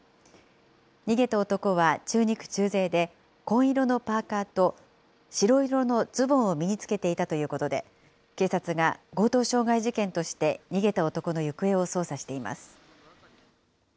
逃げた男は中肉中背で、紺色のパーカーと白色のズボンを身につけていたということで、警察が強盗傷害事件として逃げた男の行方を捜査しています。